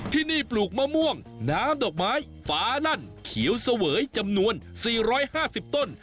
ที่นี่ปลูกมะม่วงน้ำดอกไม้ฟ้าลั่นเขียวเสวยจำนวน๔๕๐ต้น